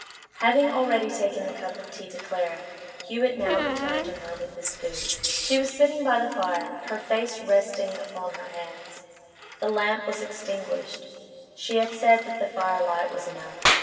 Having already taken the cup of tea to Clara, Hewett now returned to her with this food. She was sitting by the fire, her face resting upon her hands. The lamp was extinguished; she had said that the firelight was enough.